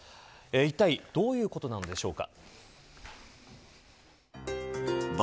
いったいどういうことなんでしょうか。